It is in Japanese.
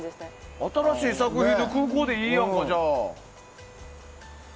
新しい作品空港でいいやんか。